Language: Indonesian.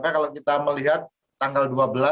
kalau kita melihat tanggal dua belas